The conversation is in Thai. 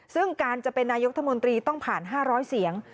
ซึ่งการจะเป็นนายกรัฐมนตรีต้องผ่าน๕๐๐เสียง